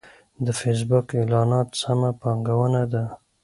د فېسبوک اعلانات سمه پانګونه ده.